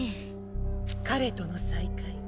彼との再会